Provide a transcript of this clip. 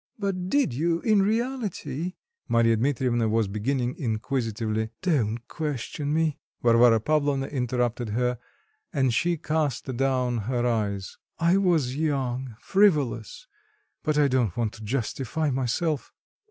"But did you in reality " Marya Dmitrievna was beginning inquisitively. "Don't question me," Varvara Pavlovna interrupted her, and she cast down her eyes. "I was young, frivolous. But I don't want to justify myself."